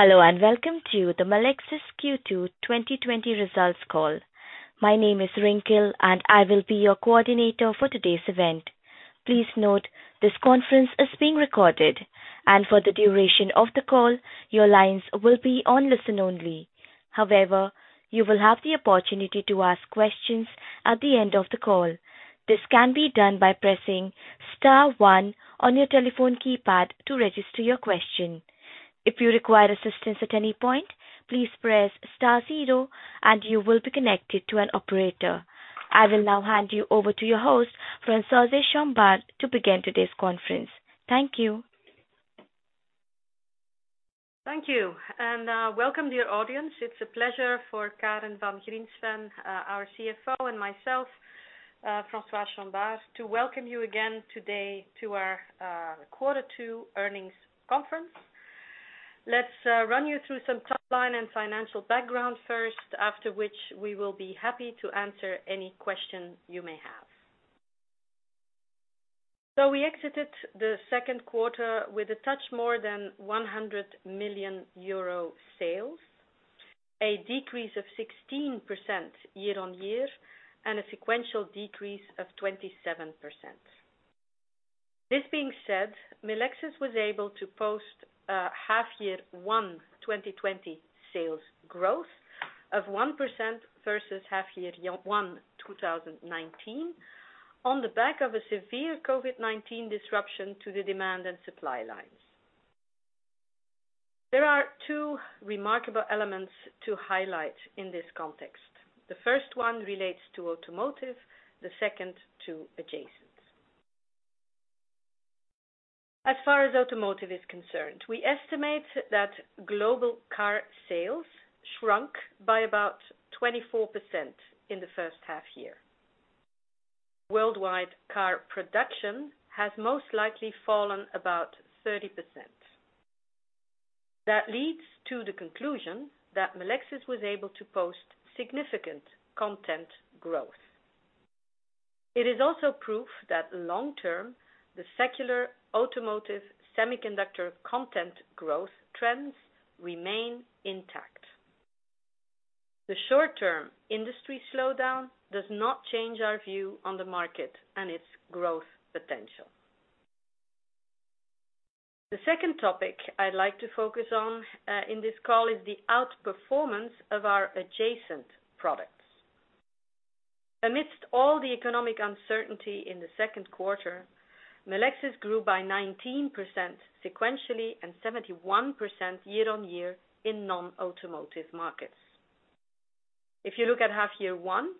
Hello, and welcome to the Melexis Q2 2020 results call. My name is Rinkel, and I will be your coordinator for today's event. Please note this conference is being recorded, and for the duration of the call, your lines will be on listen-only. However, you will have the opportunity to ask questions at the end of the call. This can be done by pressing star one on your telephone keypad to register your question. If you require assistance at any point, please press star zero and you will be connected to an operator. I will now hand you over to your host, Françoise Chombar, to begin today's conference. Thank you. Thank you, and welcome, dear audience. It's a pleasure for Karen Van Griensven, our CFO, and myself, Françoise Chombar, to welcome you again today to our quarter two earnings conference. Let's run you through some top-line and financial background first, after which we will be happy to answer any questions you may have. We exited the second quarter with a touch more than 100 million euro sales, a decrease of 16% year-on-year, and a sequential decrease of 27%. This being said, Melexis was able to post a half-year one 2020 sales growth of 1% versus half-year one 2019 on the back of a severe COVID-19 disruption to the demand and supply lines. There are two remarkable elements to highlight in this context. The first one relates to automotive, the second to adjacent. As far as automotive is concerned, we estimate that global car sales shrunk by about 24% in the first half-year. Worldwide car production has most likely fallen about 30%. That leads to the conclusion that Melexis was able to post significant content growth. It is also proof that long term, the secular automotive semiconductor content growth trends remain intact. The short-term industry slowdown does not change our view on the market and its growth potential. The second topic I'd like to focus on in this call is the outperformance of our adjacent products. Amidst all the economic uncertainty in the second quarter, Melexis grew by 19% sequentially and 71% year on year in non-automotive markets. If you look at half-year one,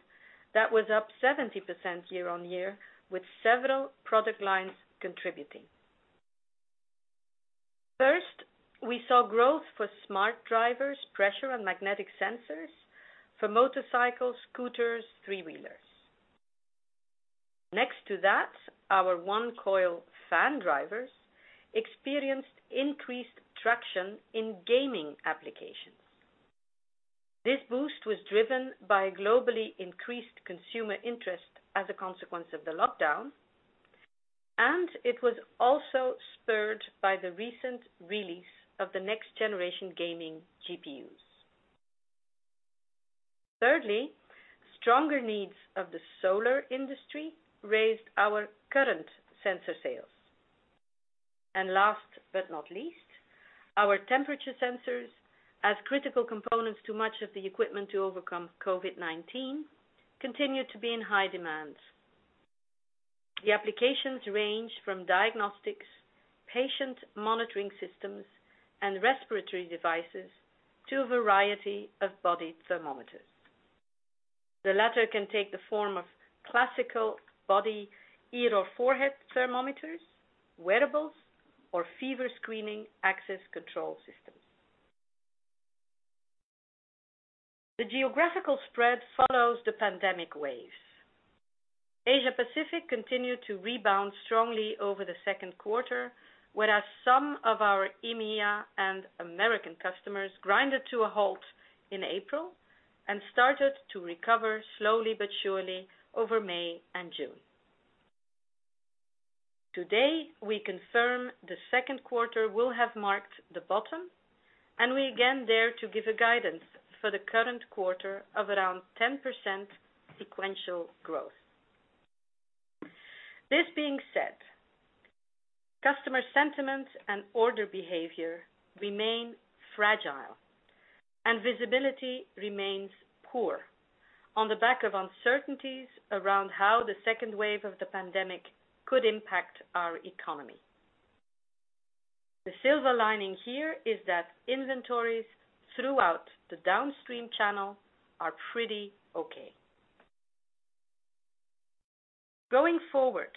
that was up 70% year on year with several product lines contributing. First, we saw growth for smart drivers, pressure and magnetic sensors for motorcycles, scooters, three-wheelers. Next to that, our one-coil fan drivers experienced increased traction in gaming applications. This boost was driven by globally increased consumer interest as a consequence of the lockdown, and it was also spurred by the recent release of the next-generation gaming GPUs. Thirdly, stronger needs of the solar industry raised our current sensor sales. Last but not least, our temperature sensors, as critical components to much of the equipment to overcome COVID-19, continue to be in high demand. The applications range from diagnostics, patient monitoring systems, and respiratory devices to a variety of body thermometers. The latter can take the form of classical body ear or forehead thermometers, wearables, or fever screening access control systems. The geographical spread follows the pandemic waves. Asia-Pacific continued to rebound strongly over the second quarter, whereas some of our EMEA and American customers grinded to a halt in April and started to recover slowly but surely over May and June. Today, we confirm the second quarter will have marked the bottom, and we again dare to give a guidance for the current quarter of around 10% sequential growth. This being said, customer sentiment and order behavior remain fragile and visibility remains poor on the back of uncertainties around how the second wave of the pandemic could impact our economy. The silver lining here is that inventories throughout the downstream channel are pretty okay. Going forward,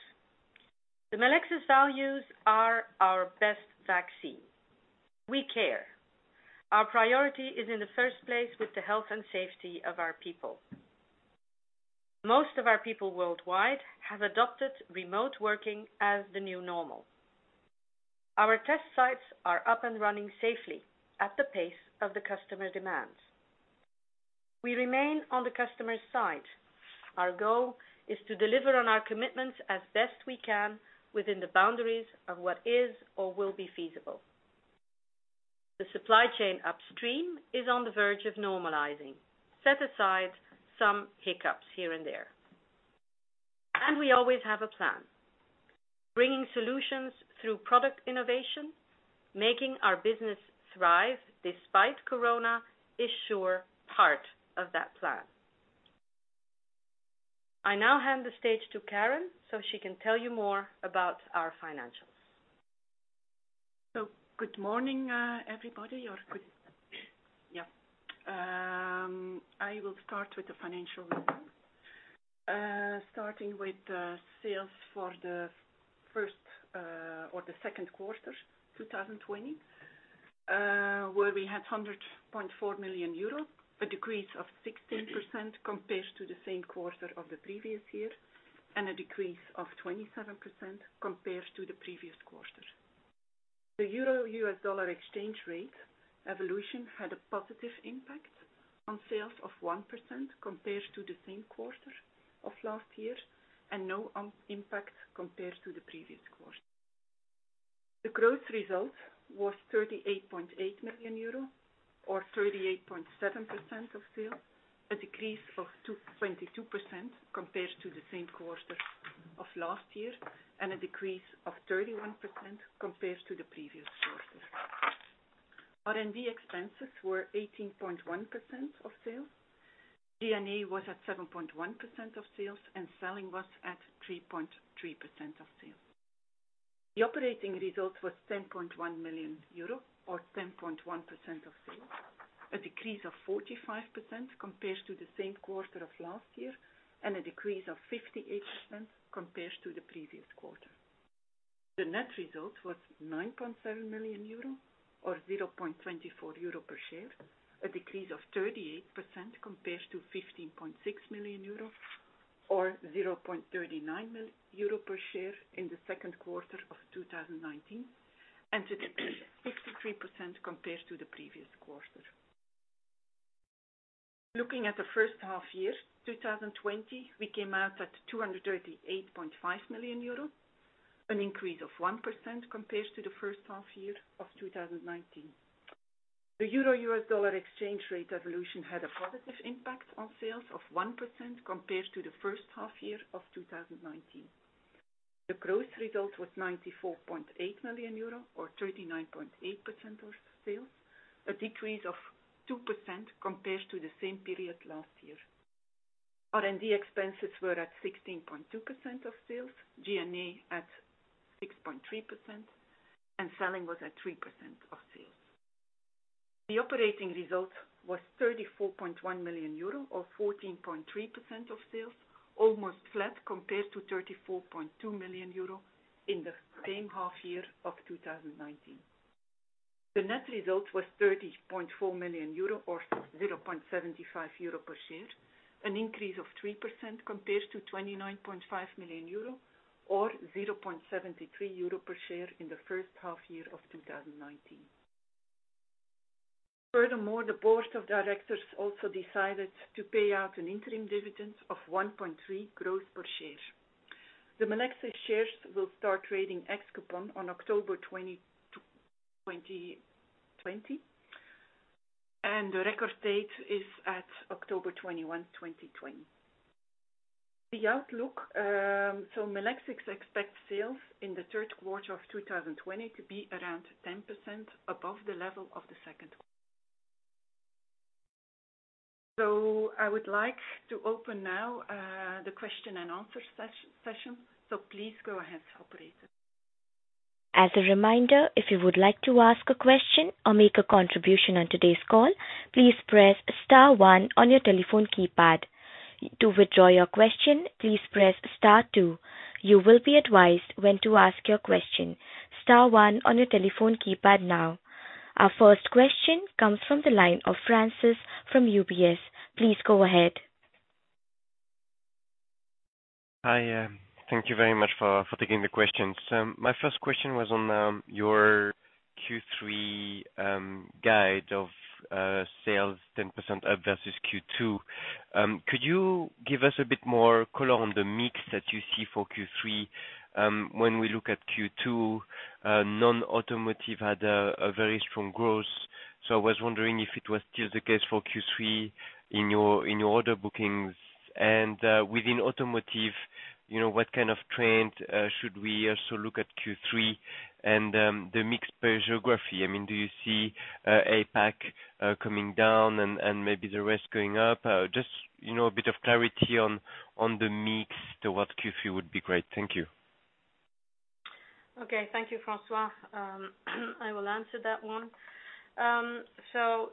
the Melexis values are our best vaccine. We care. Our priority is in the first place with the health and safety of our people. Most of our people worldwide have adopted remote working as the new normal. Our test sites are up and running safely at the pace of the customer demands. We remain on the customer's side. Our goal is to deliver on our commitments as best we can within the boundaries of what is or will be feasible. The supply chain upstream is on the verge of normalizing, set aside some hiccups here and there. We always have a plan. Bringing solutions through product innovation, making our business thrive despite corona is sure part of that plan. I now hand the stage to Karen so she can tell you more about our financials. Good morning, everybody. I will start with the financial review, starting with the sales for the second quarter 2020, where we had 100.4 million euro, a decrease of 16% compared to the same quarter of the previous year, and a decrease of 27% compared to the previous quarter. The euro-U.S. dollar exchange rate evolution had a positive impact on sales of 1% compared to the same quarter of last year, and no impact compared to the previous quarter. The gross result was 38.8 million euro or 38.7% of sales, a decrease of 22% compared to the same quarter of last year, and a decrease of 31% compared to the previous quarter. R&D expenses were 18.1% of sales. G&A was at 7.1% of sales, and selling was at 3.3% of sales. The operating result was 10.1 million euro or 10.1% of sales, a decrease of 45% compared to the same quarter of last year, and a decrease of 58% compared to the previous quarter. The net result was 9.7 million euro or 0.24 euro per share, a decrease of 38% compared to 15.6 million euro or 0.39 euro per share in the second quarter of 2019, and 63% compared to the previous quarter. Looking at the first half year 2020, we came out at 238.5 million euros, an increase of 1% compared to the first half year of 2019. The euro-US dollar exchange rate evolution had a positive impact on sales of 1% compared to the first half year of 2019. The gross result was 94.8 million euro or 39.8% of sales, a decrease of 2% compared to the same period last year. R&D expenses were at 16.2% of sales, G&A at 6.3%, and selling was at 3% of sales. The operating result was 34.1 million euro or 14.3% of sales, almost flat compared to 34.2 million euro in the same half year of 2019. The net result was 30.4 million euro or 0.75 euro per share, an increase of 3% compared to 29.5 million euro or 0.73 euro per share in the first half year of 2019. Furthermore, the board of directors also decided to pay out an interim dividend of 1.3 per share. The Melexis shares will start trading ex-coupon on October 2020, and the record date is at October 21, 2020. The outlook. Melexis expects sales in the third quarter of 2020 to be around 10% above the level of the second quarter. I would like to open now the question and answer session. Please go ahead, operator. As a reminder, if you would like to ask a question or make a contribution on today's call, please press star one on your telephone keypad. To withdraw your question, please press star two. You will be advised when to ask your question. Star one on your telephone keypad now. Our first question comes from the line of François from UBS. Please go ahead. Hi. Thank you very much for taking the questions. My first question was on your Q3 guide of sales, 10% up versus Q2. Could you give us a bit more color on the mix that you see for Q3? When we look at Q2, non-automotive had a very strong growth, so I was wondering if it was still the case for Q3 in your order bookings. Within automotive, what kind of trend should we also look at Q3 and the mix by geography? Do you see APAC coming down and maybe the rest going up? Just a bit of clarity on the mix towards Q3 would be great. Thank you. Okay. Thank you, François. I will answer that one. To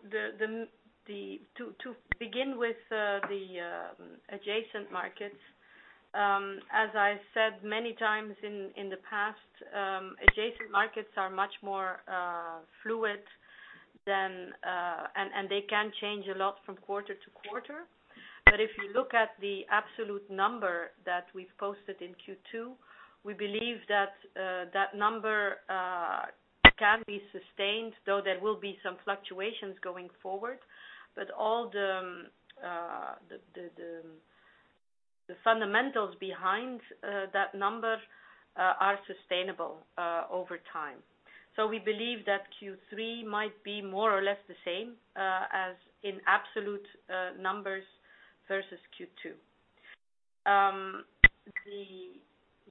begin with the adjacent markets, as I said many times in the past, adjacent markets are much more fluid, and they can change a lot from quarter to quarter. If you look at the absolute number that we've posted in Q2, we believe that number can be sustained, though there will be some fluctuations going forward. All the fundamentals behind that number are sustainable over time. We believe that Q3 might be more or less the same as in absolute numbers versus Q2. The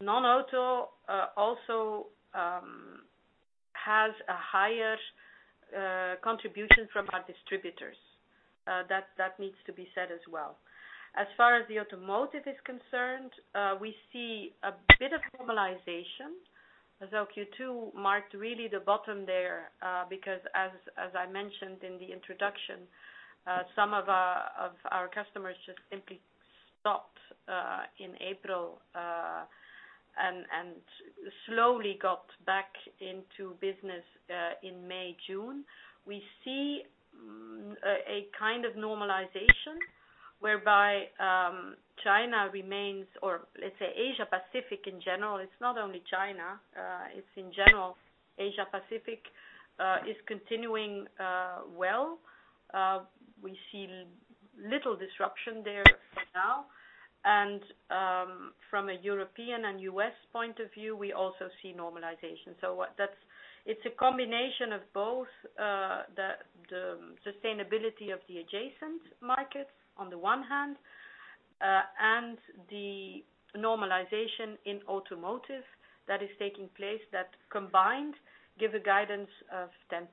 non-auto also has a higher contribution from our distributors. That needs to be said as well. As far as the automotive is concerned, we see a bit of normalization, though Q2 marked really the bottom there, because as I mentioned in the introduction, some of our customers just simply stopped in April and slowly got back into business in May, June. We see a kind of normalization whereby China remains, or let's say Asia-Pacific in general, it's not only China, it's in general, Asia-Pacific is continuing well. We see little disruption there for now. From a European and U.S. point of view, we also see normalization. It's a combination of both the sustainability of the adjacent markets on the one hand, and the normalization in automotive that is taking place that combined give a guidance of 10%.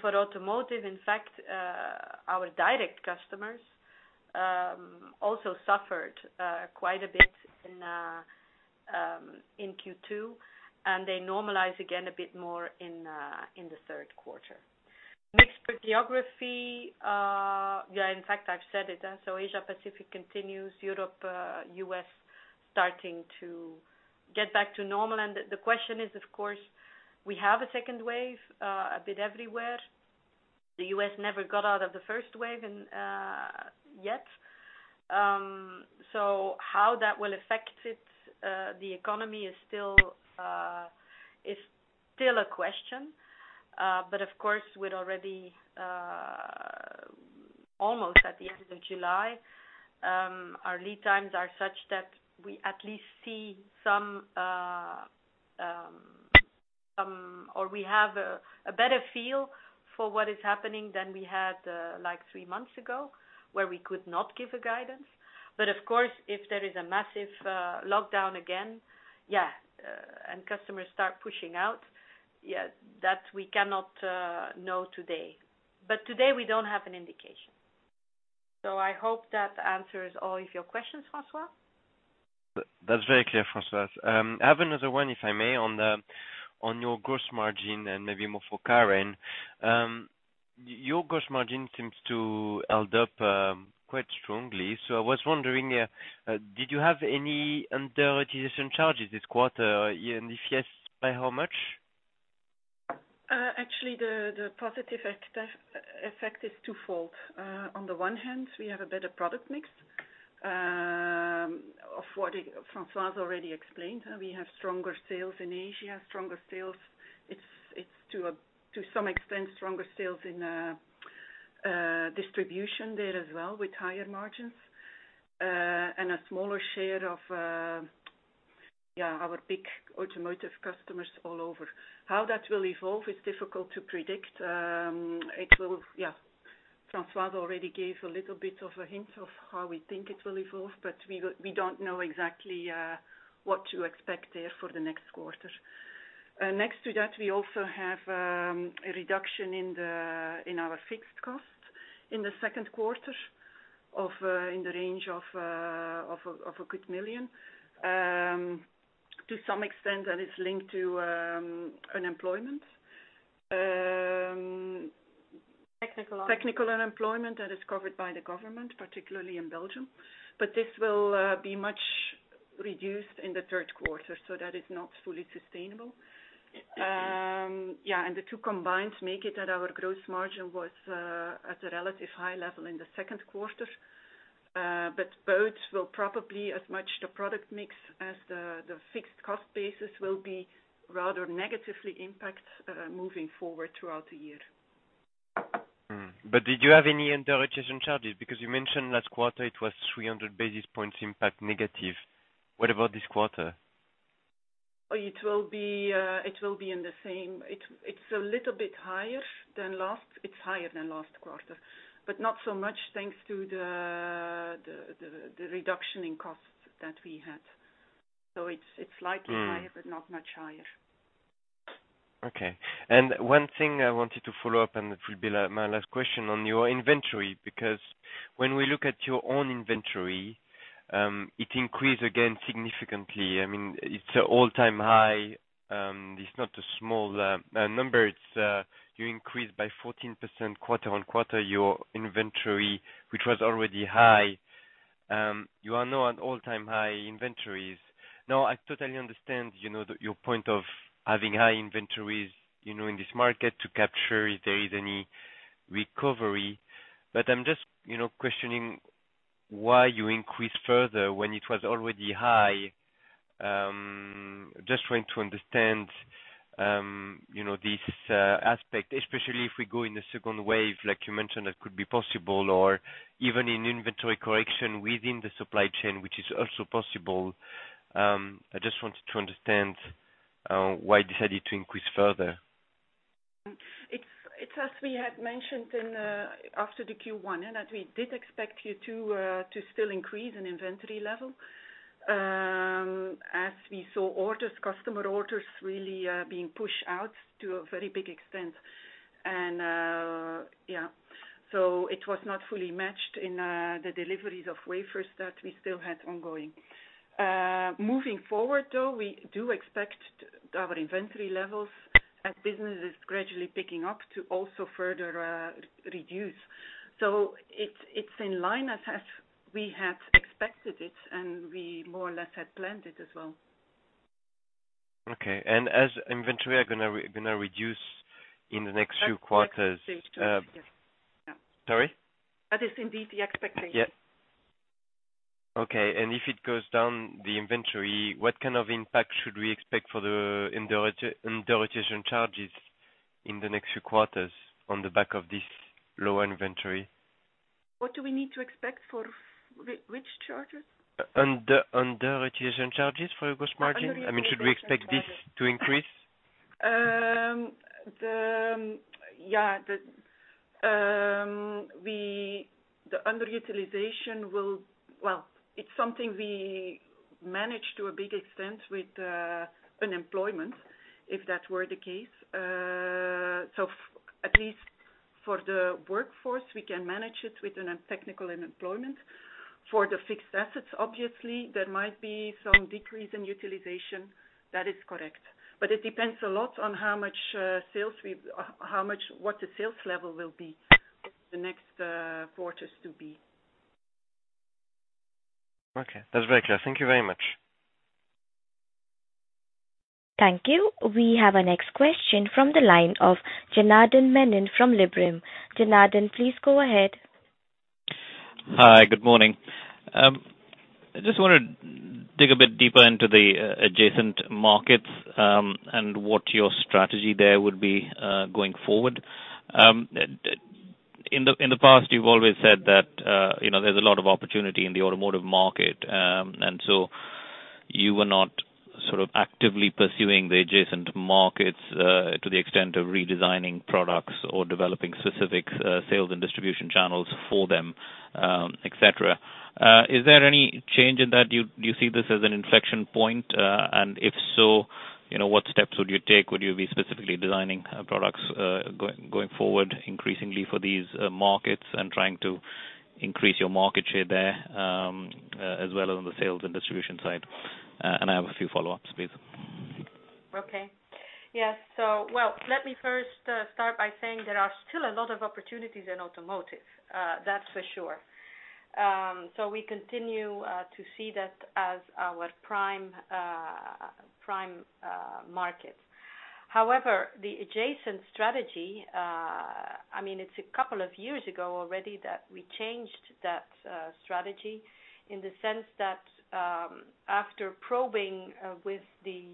For automotive, in fact, our direct customers also suffered quite a bit in Q2, and they normalize again a bit more in the third quarter. Mixed with geography. Yeah, in fact, I've said it. Asia-Pacific continues, Europe, U.S. starting to get back to normal. The question is, of course, we have a second wave, a bit everywhere. The U.S. never got out of the first wave yet. How that will affect the economy is still a question. Of course, we're already almost at the end of July. Our lead times are such that we at least see some, or we have a better feel for what is happening than we had three months ago, where we could not give a guidance. Of course, if there is a massive lockdown again, yeah, and customers start pushing out, that we cannot know today. Today we don't have an indication. I hope that answers all of your questions, François. That's very clear, Françoise. I have another one, if I may, on your gross margin and maybe more for Karen. Your gross margin seems to held up quite strongly. I was wondering, did you have any underutilization charges this quarter? If yes, by how much? Actually, the positive effect is twofold. On the one hand, we have a better product mix of what Françoise already explained. We have stronger sales in Asia. It's to some extent stronger sales in distribution there as well with higher margins and a smaller share of our big automotive customers all over. How that will evolve is difficult to predict. Françoise already gave a little bit of a hint of how we think it will evolve, but we don't know exactly what to expect there for the next quarter. Next to that, we also have a reduction in our fixed cost in the second quarter in the range of 1 million. To some extent, that is linked to unemployment. Technical unemployment. Technical unemployment that is covered by the government, particularly in Belgium. This will be much reduced in the third quarter, so that is not fully sustainable. The two combined make it that our gross margin was at a relative high level in the second quarter. Both will probably, as much the product mix as the fixed cost basis, will be rather negatively impact moving forward throughout the year. Did you have any underutilization charges? Because you mentioned last quarter it was 300 basis points impact negative. What about this quarter? It will be in the same. It's higher than last quarter, but not so much thanks to the reduction in costs that we had. It's slightly higher, but not much higher. Okay. One thing I wanted to follow up, and it will be my last question on your inventory, because when we look at your own inventory, it increased again significantly. It's an all-time high. It's not a small number. You increased by 14% quarter-on-quarter your inventory, which was already high. You are now at all-time high inventories. I totally understand your point of having high inventories in this market to capture if there is any recovery. I'm just questioning why you increased further when it was already high. Just trying to understand this aspect, especially if we go in the second wave like you mentioned, that could be possible, or even in inventory correction within the supply chain, which is also possible. I just wanted to understand why you decided to increase further. It's as we had mentioned after the Q1, in that we did expect you to still increase in inventory level as we saw orders, customer orders, really being pushed out to a very big extent. Yeah. It was not fully matched in the deliveries of wafers that we still had ongoing. Moving forward, though, we do expect our inventory levels as business is gradually picking up to also further reduce. It's in line as we had expected it, and we more or less had planned it as well. Okay. As inventory are going to reduce in the next few quarters. That's the expectation. Yes. Yeah. Sorry? That is indeed the expectation. Yeah. Okay. If it goes down, the inventory, what kind of impact should we expect for the underutilization charges in the next few quarters on the back of this lower inventory? What do we need to expect for which charges? Underutilization charges for gross margin. Underutilization charges. Should we expect this to increase? The underutilization, well, it's something we manage to a big extent with unemployment, if that were the case. At least for the workforce, we can manage it with a technical unemployment. For the fixed assets, obviously, there might be some decrease in utilization. That is correct. It depends a lot on what the sales level will be for the next quarters to be. Okay. That's very clear. Thank you very much. Thank you. We have our next question from the line of Janardan Menon from Liberum. Janardan, please go ahead. Hi. Good morning. I just want to dig a bit deeper into the adjacent markets and what your strategy there would be going forward. In the past, you've always said that there's a lot of opportunity in the automotive market. So you were not sort of actively pursuing the adjacent markets, to the extent of redesigning products or developing specific sales and distribution channels for them, et cetera. Is there any change in that? Do you see this as an inflection point? If so, what steps would you take? Would you be specifically designing products going forward increasingly for these markets and trying to increase your market share there, as well as on the sales and distribution side? I have a few follow-ups, please. Okay. Yeah. Let me first start by saying there are still a lot of opportunities in automotive, that's for sure. We continue to see that as our prime market. However, the adjacent strategy, it's a couple of years ago already that we changed that strategy in the sense that after probing with the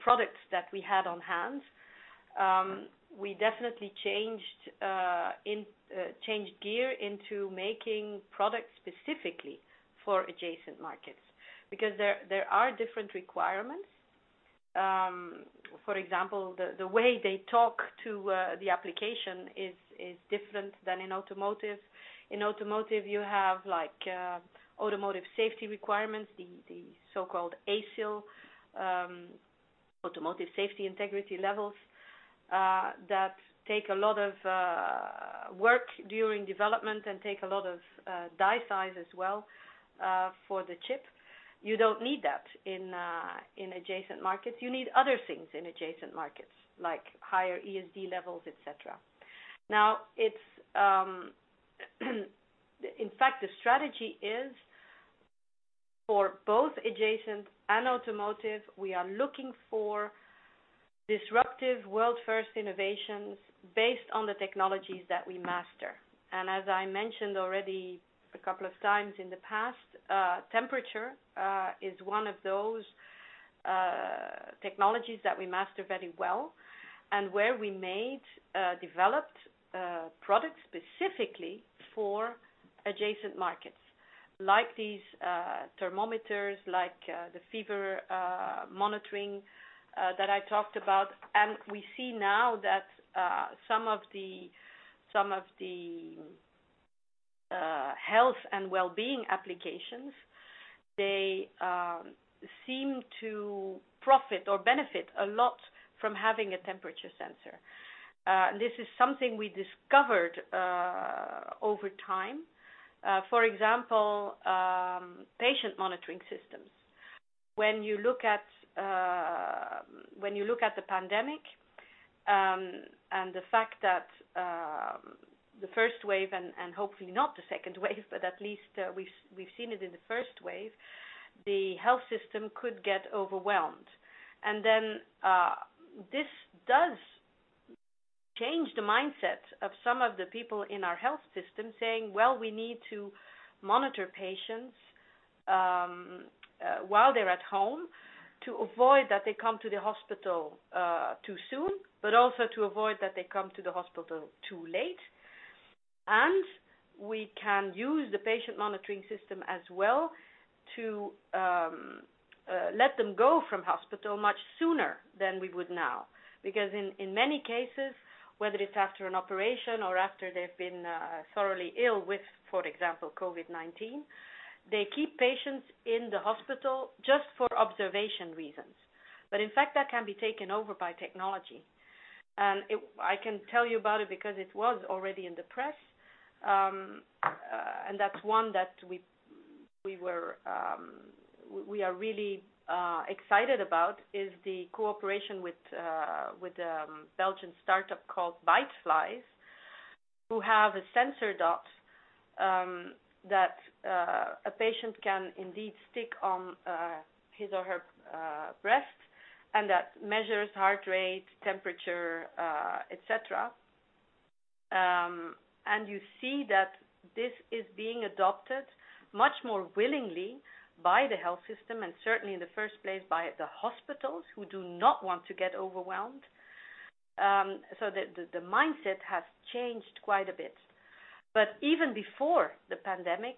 products that we had on hand, we definitely changed gear into making products specifically for adjacent markets because there are different requirements. For example, the way they talk to the application is different than in automotive. In automotive, you have automotive safety requirements, the so-called ASIL, automotive safety integrity levels, that take a lot of work during development and take a lot of die size as well for the chip. You don't need that in adjacent markets. You need other things in adjacent markets, like higher ESD levels, et cetera. Now, in fact, the strategy is for both adjacent and automotive. We are looking for disruptive world-first innovations based on the technologies that we master. As I mentioned already a couple of times in the past, temperature is one of those technologies that we master very well, and where we made developed products specifically for adjacent markets, like these thermometers. Like the fever monitoring that I talked about. We see now that some of the health and wellbeing applications, they seem to profit or benefit a lot from having a temperature sensor, for example, patient monitoring systems. This is something we discovered over time. When you look at the pandemic and the fact that the first wave, and hopefully not the second wave, but at least we've seen it in the first wave, the health system could get overwhelmed. This does change the mindset of some of the people in our health system saying, "Well, we need to monitor patients while they're at home to avoid that they come to the hospital too soon, but also to avoid that they come to the hospital too late." We can use the patient monitoring system as well to let them go from hospital much sooner than we would now. Because in many cases, whether it's after an operation or after they've been thoroughly ill with, for example, COVID-19, they keep patients in the hospital just for observation reasons. In fact, that can be taken over by technology. I can tell you about it because it was already in the press. That's one that we are really excited about, is the cooperation with a Belgian startup called Byteflies, who have a sensor dot that a patient can indeed stick on his or her breast, and that measures heart rate, temperature et cetera. You see that this is being adopted much more willingly by the health system, and certainly in the first place by the hospitals who do not want to get overwhelmed. The mindset has changed quite a bit. Even before the pandemic,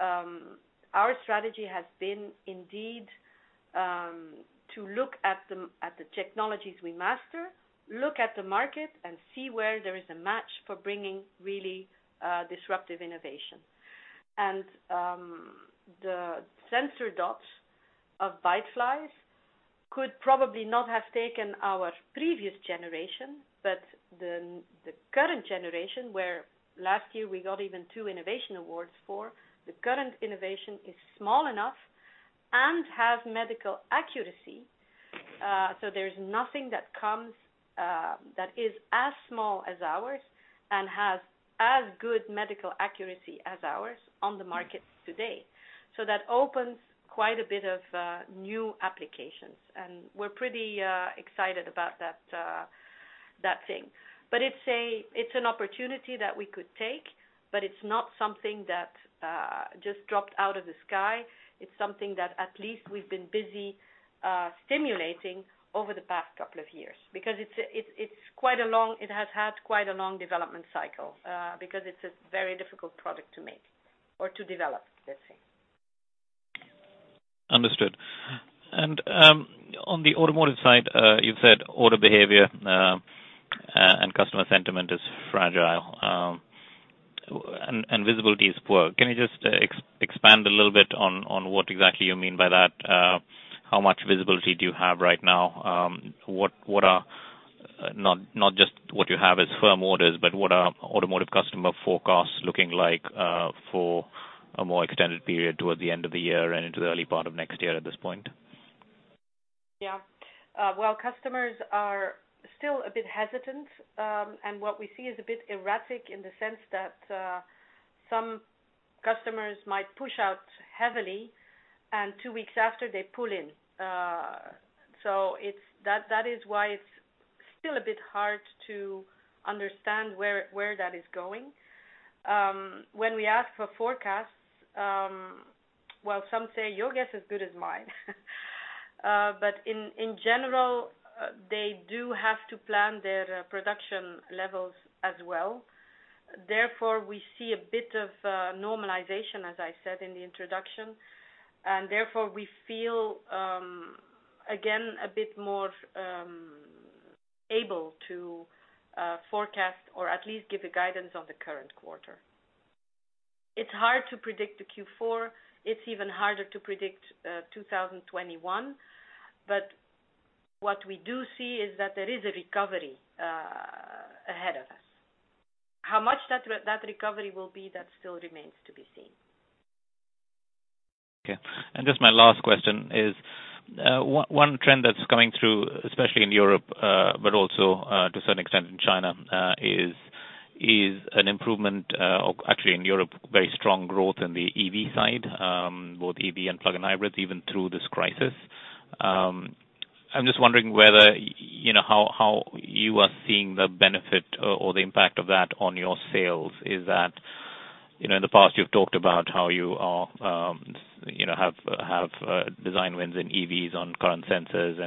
our strategy has been indeed to look at the technologies we master, look at the market, and see where there is a match for bringing really disruptive innovation. The sensor dot of Byteflies could probably not have taken our previous generation, but the current generation, where last year we got even two Innovation Awards for. The current innovation is small enough and has medical accuracy. There's nothing that is as small as ours and has as good medical accuracy as ours on the market today. That opens quite a bit of new applications, and we're pretty excited about that thing. It's an opportunity that we could take, but it's not something that just dropped out of the sky. It's something that at least we've been busy stimulating over the past couple of years because it has had quite a long development cycle because it's a very difficult product to make or to develop, let's say. Understood. On the automotive side, you've said order behavior and customer sentiment is fragile, and visibility is poor. Can you just expand a little bit on what exactly you mean by that? How much visibility do you have right now? Not just what you have as firm orders, but what are automotive customer forecasts looking like for a more extended period toward the end of the year and into the early part of next year at this point? Well, customers are still a bit hesitant, and what we see is a bit erratic in the sense that some customers might push out heavily and two weeks after they pull in. That is why it's still a bit hard to understand where that is going. When we ask for forecasts, well, some say your guess is good as mine. In general, they do have to plan their production levels as well. Therefore, we see a bit of normalization, as I said in the introduction. Therefore, we feel, again, a bit more able to forecast or at least give a guidance on the current quarter. It's hard to predict the Q4. It's even harder to predict 2021. What we do see is that there is a recovery ahead of us. How much that recovery will be, that still remains to be seen. Okay. Just my last question is, one trend that's coming through, especially in Europe but also to a certain extent in China, is an improvement. Actually in Europe, very strong growth in the EV side, both EV and plug-in hybrids, even through this crisis. I'm just wondering how you are seeing the benefit or the impact of that on your sales, is that in the past you've talked about how you have design wins in EVs on current sensors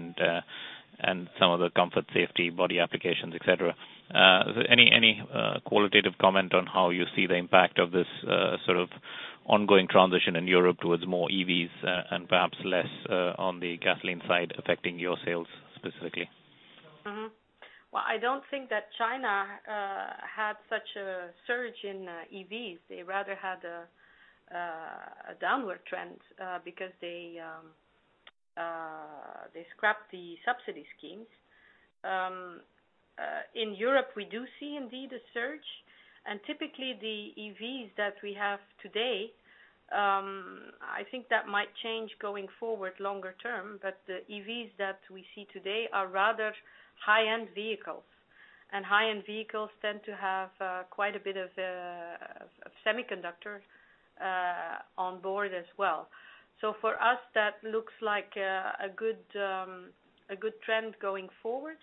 and some of the comfort, safety, body applications, et cetera. Any qualitative comment on how you see the impact of this sort of ongoing transition in Europe towards more EVs and perhaps less on the gasoline side affecting your sales specifically? I don't think that China had such a surge in EVs. They rather had a downward trend because they scrapped the subsidy schemes. In Europe, we do see indeed a surge. Typically the EVs that we have today, I think that might change going forward longer term, the EVs that we see today are rather high-end vehicles. High-end vehicles tend to have quite a bit of semiconductors on board as well. For us, that looks like a good trend going forward.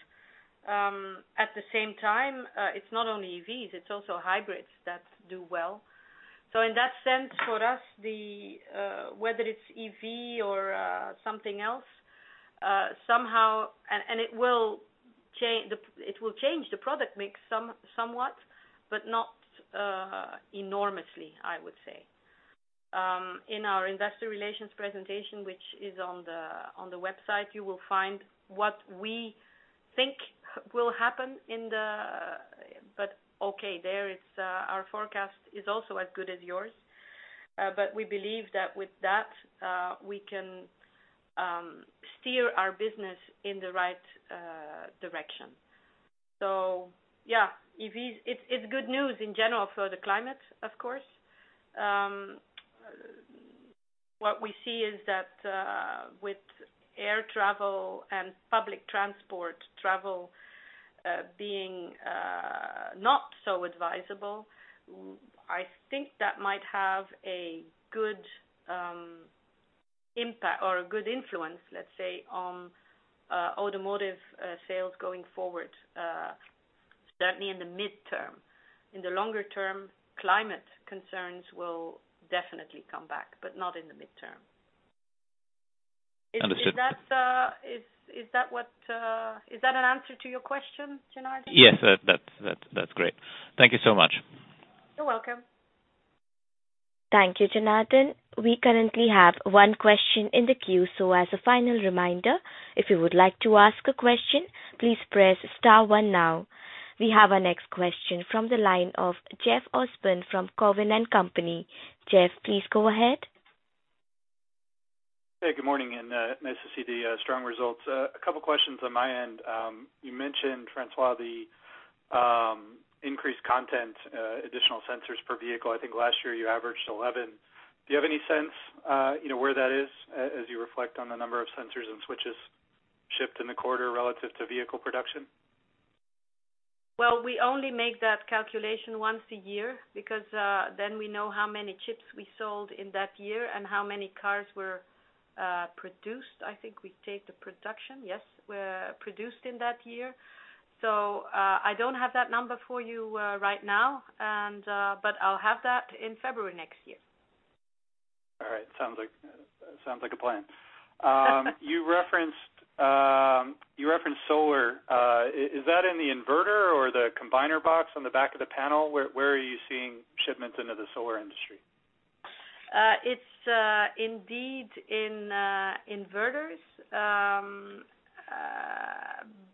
At the same time, it's not only EVs, it's also hybrids that do well. In that sense, for us, whether it's EV or something else, it will change the product mix somewhat, not enormously, I would say. In our investor relations presentation, which is on the website, you will find what we think will happen. Okay, our forecast is also as good as yours. We believe that with that, we can steer our business in the right direction. Yeah, it's good news in general for the climate, of course. What we see is that with air travel and public transport travel being not so advisable, I think that might have a good impact or a good influence, let's say, on automotive sales going forward, certainly in the midterm. In the longer term, climate concerns will definitely come back, but not in the midterm. Understood. Is that an answer to your question, Janardan? Yes. That's great. Thank you so much. You're welcome. Thank you, Janardan. We currently have one question in the queue. As a final reminder, if you would like to ask a question, please press star one now. We have our next question from the line of Jeff Osborne from Cowen & Company. Jeff, please go ahead. Hey, good morning, and nice to see the strong results. A couple questions on my end. You mentioned, François, the increased content, additional sensors per vehicle. I think last year you averaged 11. Do you have any sense where that is as you reflect on the number of sensors and switches shipped in the quarter relative to vehicle production? Well, we only make that calculation once a year because then we know how many chips we sold in that year and how many cars were produced. I think we take the production, yes, were produced in that year. I don't have that number for you right now, but I'll have that in February next year. All right. Sounds like a plan. You referenced solar. Is that in the inverter or the combiner box on the back of the panel? Where are you seeing shipments into the solar industry? It's indeed in inverters.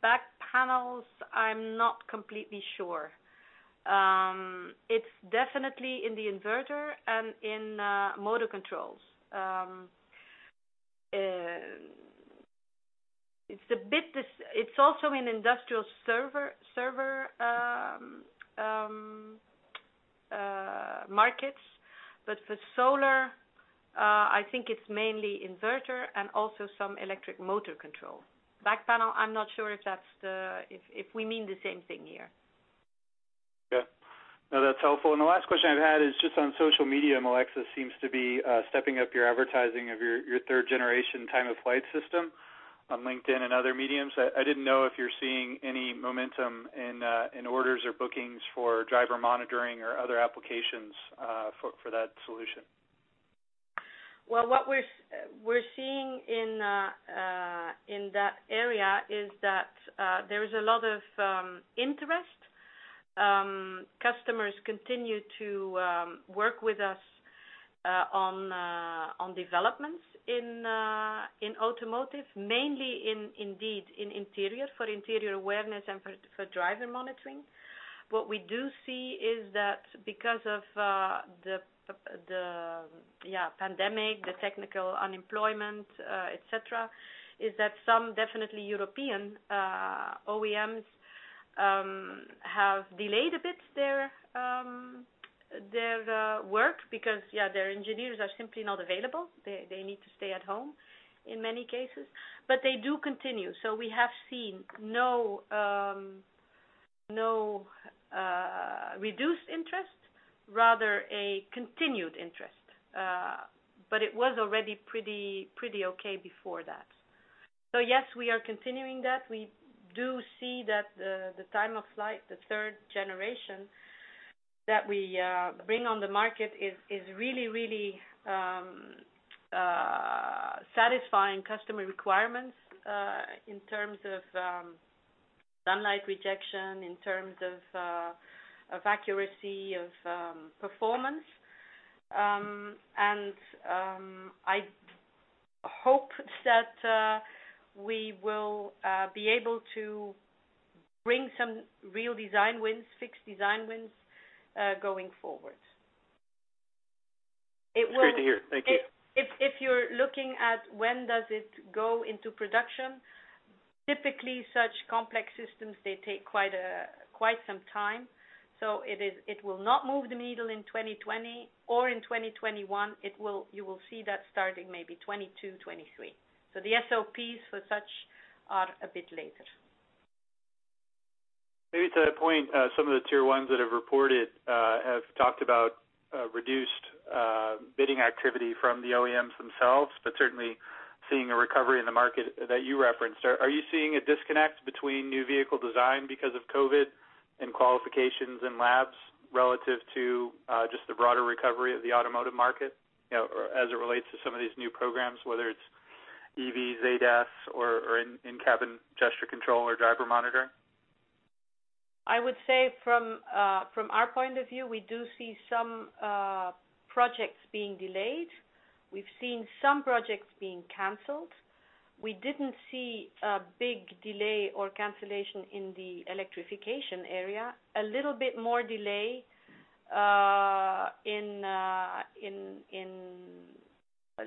Back panels, I'm not completely sure. It's definitely in the inverter and in motor controls. It's also in industrial server markets, but for solar, I think it's mainly inverter and also some electric motor control. Back panel, I'm not sure if we mean the same thing here. Yeah. No, that's helpful. The last question I had is just on social media. Melexis seems to be stepping up your advertising of your third generation time-of-flight system on LinkedIn and other mediums. I didn't know if you're seeing any momentum in orders or bookings for driver monitoring or other applications for that solution. Well, what we're seeing in that area is that there is a lot of interest. Customers continue to work with us on developments in automotive, mainly indeed in interior, for interior awareness and for driver monitoring. What we do see is that because of the pandemic, the technical unemployment, et cetera, is that some definitely European OEMs have delayed a bit their work because their engineers are simply not available. They need to stay at home in many cases. They do continue. We have seen no reduced interest, rather a continued interest. It was already pretty okay before that. Yes, we are continuing that. We do see that the time-of-flight, the third generation that we bring on the market, is really satisfying customer requirements in terms of sunlight rejection, in terms of accuracy, of performance. I hope that we will be able to bring some real design wins, fixed design wins, going forward. That's great to hear. Thank you. If you're looking at when does it go into production, typically such complex systems, they take quite some time. It will not move the needle in 2020 or in 2021. You will see that starting maybe 2022, 2023. The SOPs for such are a bit later. Maybe to that point, some of the tier 1s that have reported have talked about reduced bidding activity from the OEMs themselves. Certainly seeing a recovery in the market that you referenced. Are you seeing a disconnect between new vehicle design because of COVID-19 and qualifications in labs relative to just the broader recovery of the automotive market as it relates to some of these new programs, whether it's EVs, ADAS, or in-cabin gesture control or driver monitoring? I would say from our point of view, we do see some projects being delayed. We've seen some projects being canceled. We didn't see a big delay or cancellation in the electrification area. A little bit more delay in,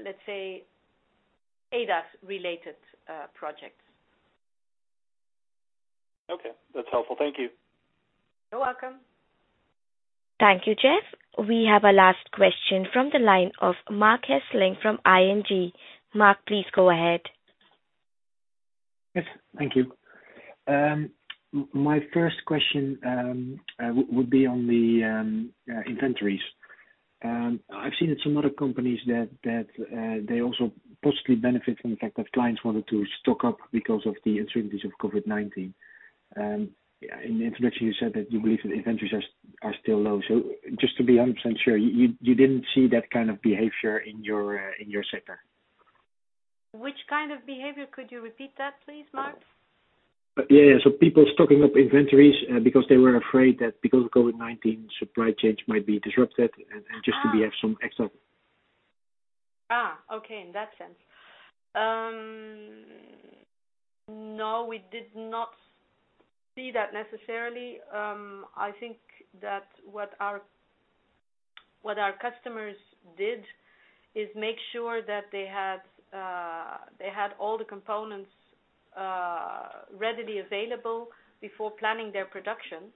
let's say, ADAS-related projects. Okay. That's helpful. Thank you. You're welcome. Thank you, Jeff. We have a last question from the line of Marc Hesselink from ING. Marc, please go ahead. Yes. Thank you. My first question would be on the inventories. I've seen in some other companies that they also possibly benefit from the fact that clients wanted to stock up because of the uncertainties of COVID-19. In the introduction, you said that you believe that inventories are still low. Just to be 100% sure, you didn't see that kind of behavior in your sector? Which kind of behavior? Could you repeat that please, Marc? Yeah. People stocking up inventories because they were afraid that because of COVID-19, supply chains might be disrupted and just to have some extra. Okay. In that sense. No, we did not see that necessarily. I think that what our customers did is make sure that they had all the components readily available before planning their production.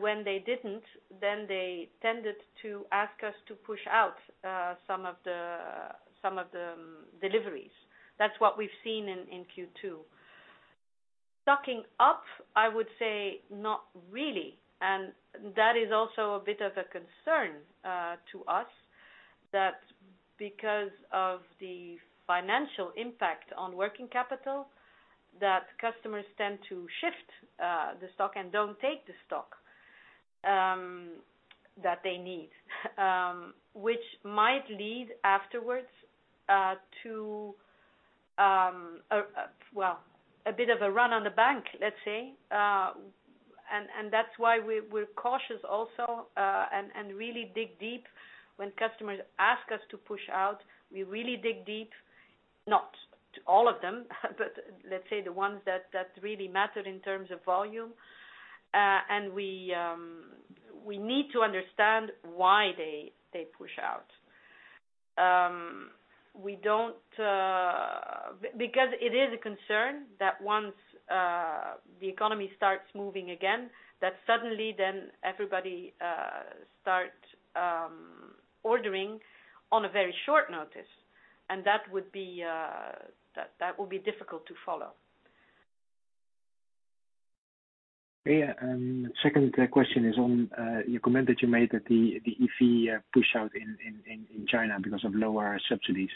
When they didn't, they tended to ask us to push out some of the deliveries. That's what we've seen in Q2. Stocking up, I would say not really, that is also a bit of a concern to us, that because of the financial impact on working capital, that customers tend to shift the stock and don't take the stock that they need which might lead afterwards to a bit of a run on the bank, let's say. That's why we're cautious also and really dig deep when customers ask us to push out. We really dig deep, not to all of them, but let's say the ones that really matter in terms of volume. We need to understand why they push out. It is a concern that once the economy starts moving again, that suddenly then everybody starts ordering on a very short notice, and that would be difficult to follow. Okay. Second question is on your comment that you made that the EV push out in China because of lower subsidies.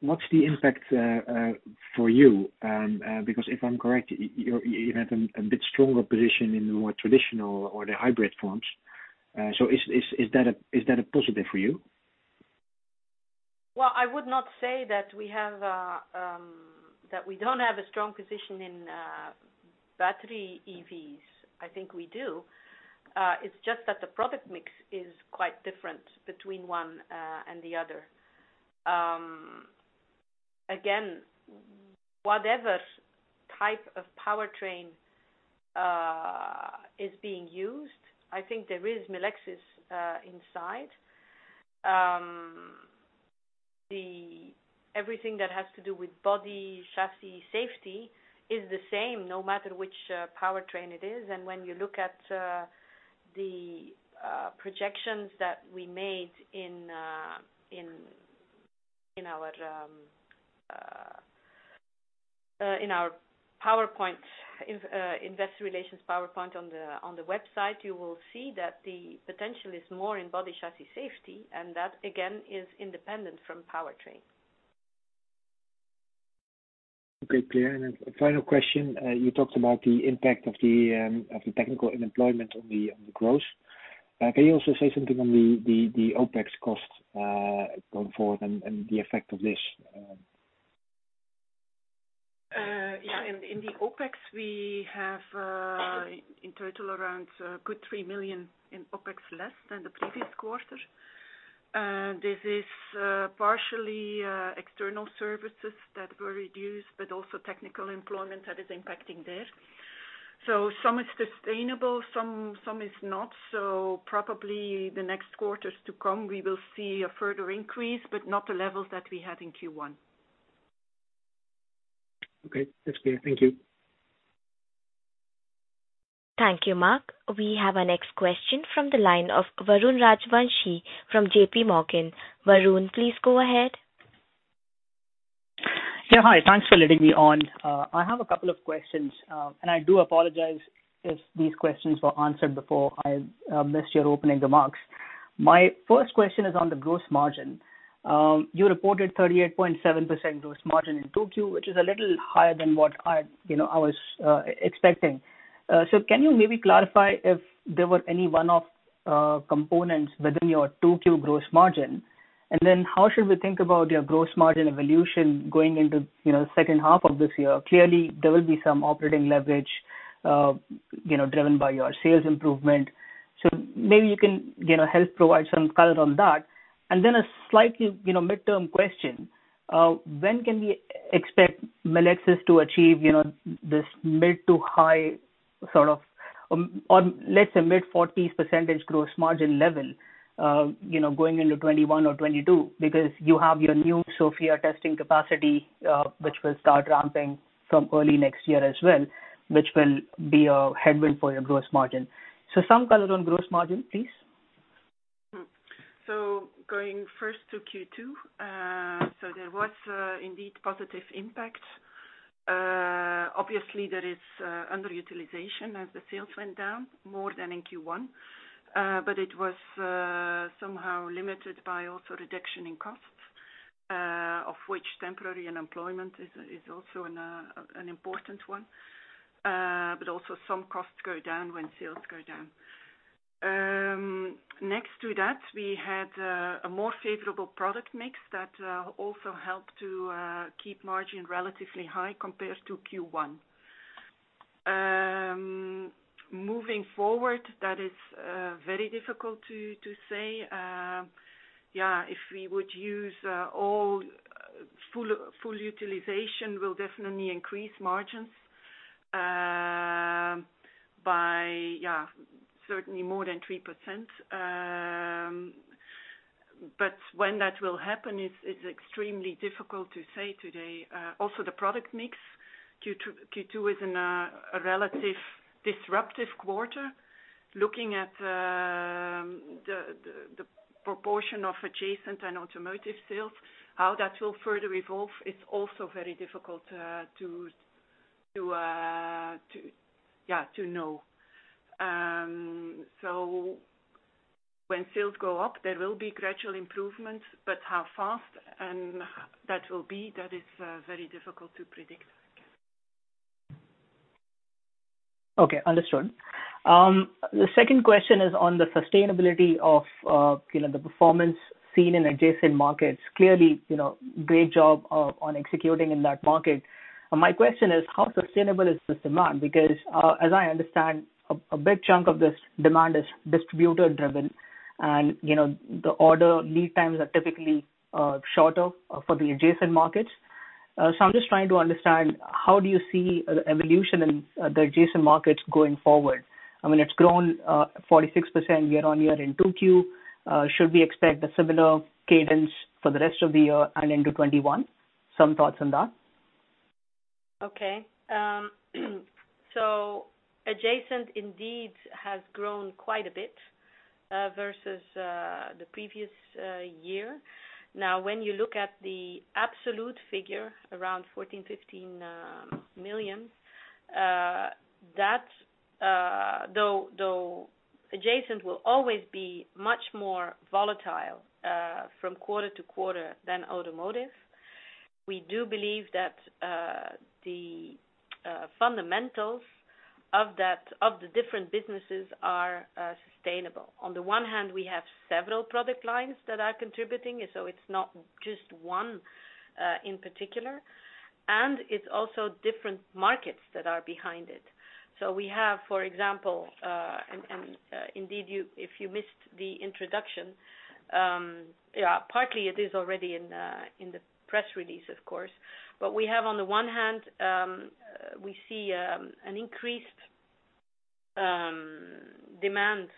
What's the impact for you? If I'm correct, you have a bit stronger position in the more traditional or the hybrid forms. Is that a positive for you? Well, I would not say that we don't have a strong position in battery EVs. I think we do. It's just that the product mix is quite different between one and the other. Again, whatever type of powertrain is being used, I think there is Melexis inside. Everything that has to do with body chassis safety is the same no matter which powertrain it is. When you look at the projections that we made in our investor relations PowerPoint on the website, you will see that the potential is more in body chassis safety, and that, again, is independent from powertrain. Okay, clear. A final question. You talked about the impact of the technical unemployment on the growth. Can you also say something on the OpEx costs going forward and the effect of this? In the OpEx, we have in total around a good 3 million in OpEx less than the previous quarter. This is partially external services that were reduced, but also technical employment that is impacting there. Some is sustainable, some is not. Probably the next quarters to come, we will see a further increase, but not the levels that we had in Q1. Okay. That's clear. Thank you. Thank you, Marc. We have our next question from the line of Varun Rajwanshi from JPMorgan. Varun, please go ahead. Yeah. Hi. Thanks for letting me on. I have a couple of questions. I do apologize if these questions were answered before. I missed your opening remarks. My first question is on the gross margin. You reported 38.7% gross margin in Q2, which is a little higher than what I was expecting. Can you maybe clarify if there were any one-off components within your Q2 gross margin? How should we think about your gross margin evolution going into the second half of this year? Clearly, there will be some operating leverage driven by your sales improvement. Maybe you can help provide some color on that. A slightly midterm question. When can we expect Melexis to achieve this mid to high sort of, or let's say mid-40s percentage gross margin level, going into 2021 or 2022? You have your new Sofia testing capacity, which will start ramping from early next year as well, which will be a headwind for your gross margin. Some color on gross margin, please. Going first to Q2. There was indeed positive impact. Obviously, there is underutilization as the sales went down more than in Q1. It was somehow limited by also reduction in costs, of which temporary unemployment is also an important one. Also some costs go down when sales go down. Next to that, we had a more favorable product mix that also helped to keep margin relatively high compared to Q1. Moving forward, that is very difficult to say. If we would use all full utilization will definitely increase margins by certainly more than 3%. When that will happen is extremely difficult to say today. Also the product mix, Q2 is in a relative disruptive quarter. Looking at the proportion of adjacent and automotive sales, how that will further evolve is also very difficult to know. When sales go up, there will be gradual improvements, but how fast that will be, that is very difficult to predict. Okay. Understood. The second question is on the sustainability of the performance seen in adjacent markets. Clearly, great job on executing in that market. My question is, how sustainable is this demand? As I understand, a big chunk of this demand is distributor driven, and the order lead times are typically shorter for the adjacent markets. I'm just trying to understand, how do you see evolution in the adjacent markets going forward? I mean, it's grown 46% year-over-year in Q2. Should we expect a similar cadence for the rest of the year and into 2021? Some thoughts on that. Okay. Adjacent indeed has grown quite a bit versus the previous year. Now when you look at the absolute figure, around 14 million, EUR 15 million, though Adjacent will always be much more volatile from quarter to quarter than automotive, we do believe that the fundamentals of the different businesses are sustainable. On the one hand, we have several product lines that are contributing, so it is not just one in particular. It is also different markets that are behind it. We have, for example, and indeed, if you missed the introduction, partly it is already in the press release, of course. We have, on the one hand, we see an increased demand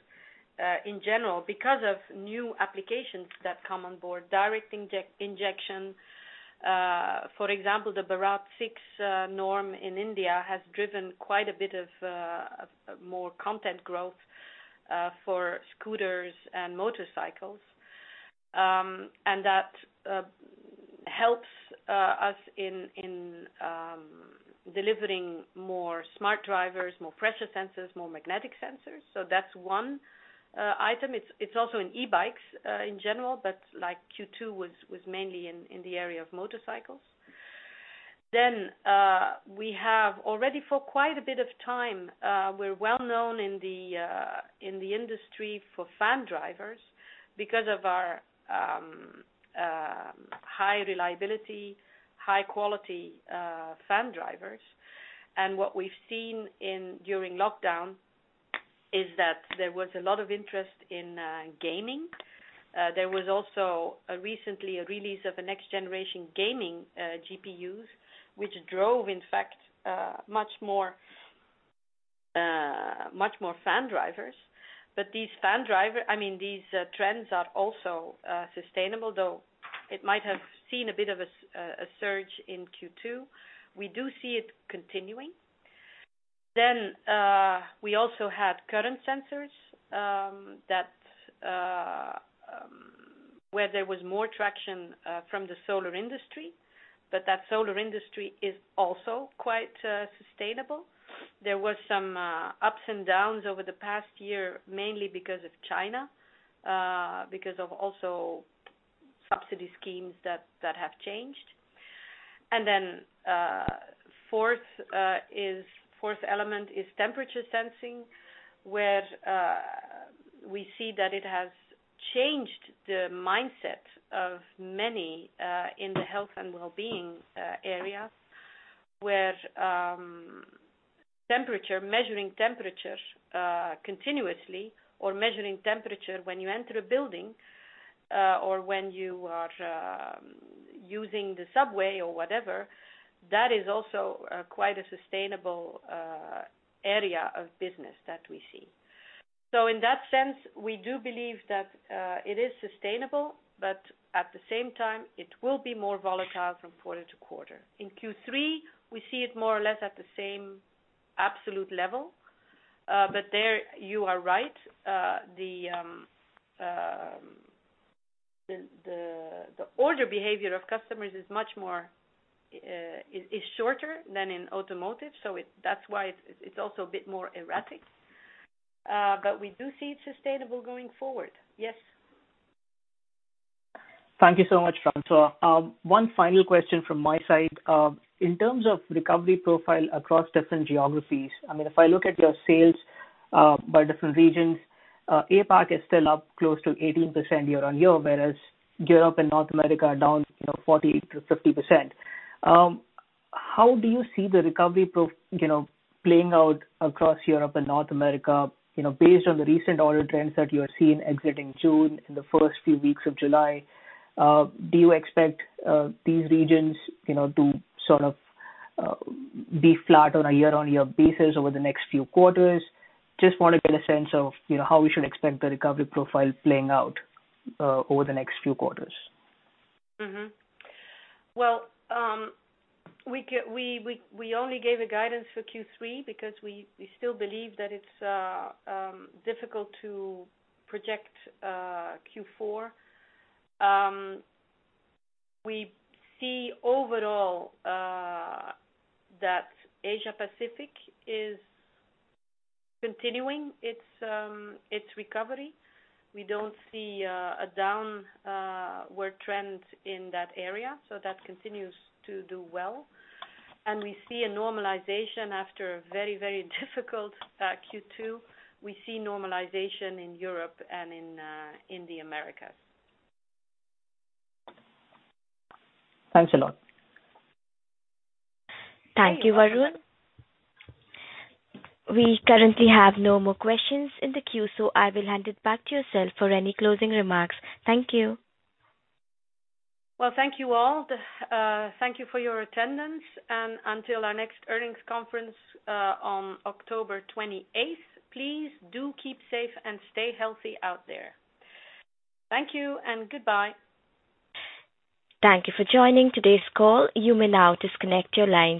in general because of new applications that come on board, direct injection. For example, the Bharat Stage 6 norm in India has driven quite a bit of more content growth for scooters and motorcycles. That helps us in delivering more smart drivers, more pressure sensors, more magnetic sensors. That's one item. It's also in e-bikes in general, but Q2 was mainly in the area of motorcycles. We have already for quite a bit of time, we're well-known in the industry for fan drivers because of our high reliability, high quality fan drivers. What we've seen during lockdown. Is that there was a lot of interest in gaming. There was also recently a release of a next generation gaming GPUs, which drove, in fact, much more fan drivers. These trends are also sustainable, though it might have seen a bit of a surge in Q2. We do see it continuing. We also had current sensors, where there was more traction from the solar industry, but that solar industry is also quite sustainable. There were some ups and downs over the past year, mainly because of China, because of also subsidy schemes that have changed. Fourth element is temperature sensing, where we see that it has changed the mindset of many, in the health and wellbeing area, where measuring temperature continuously or measuring temperature when you enter a building, or when you are using the subway or whatever, that is also quite a sustainable area of business that we see. In that sense, we do believe that it is sustainable, but at the same time it will be more volatile from quarter to quarter. In Q3, we see it more or less at the same absolute level. There you are right, the order behavior of customers is shorter than in automotive, that's why it's also a bit more erratic. We do see it sustainable going forward. Yes. Thank you so much, François. One final question from my side. In terms of recovery profile across different geographies, if I look at your sales by different regions, APAC is still up close to 18% year-on-year, whereas Europe and North America are down 48%-50%. How do you see the recovery playing out across Europe and North America, based on the recent order trends that you are seeing exiting June, in the first few weeks of July? Do you expect these regions to be flat on a year-on-year basis over the next few quarters? Just want to get a sense of how we should expect the recovery profile playing out over the next few quarters. Well, we only gave a guidance for Q3 because we still believe that it's difficult to project Q4. We see overall, that Asia Pacific is continuing its recovery. We don't see a downward trend in that area, so that continues to do well. We see a normalization after a very, very difficult Q2. We see normalization in Europe and in the Americas. Thanks a lot. Thank you, Varun. We currently have no more questions in the queue. I will hand it back to yourself for any closing remarks. Thank you. Well, thank you all. Thank you for your attendance, and until our next earnings conference on October 28th, please do keep safe and stay healthy out there. Thank you and goodbye. Thank you for joining today's call. You may now disconnect your line.